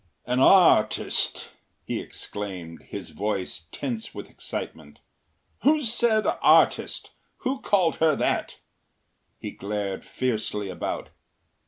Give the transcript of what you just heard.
“An artist!” he exclaimed, his voice tense with excitement. “Who said artist? Who called her that?” He glared fiercely about.